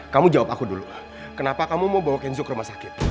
kamu jawab aku dulu kenapa kamu mau bawa kenzo ke rumah sakit